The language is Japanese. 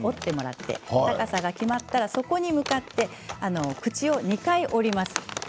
高さが決まったら底に向かって口を２回よります。